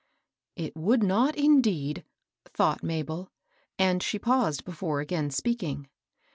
It would not, indeed I " thought Mabel ; and she paused before again speaking.